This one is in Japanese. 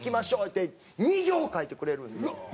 いうて２行書いてくれるんですよ。